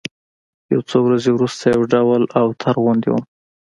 يو څو ورځې وروسته يو ډول اوتر غوندې وم.